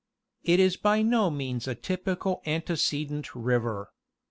It is by no means a typical antecedent river.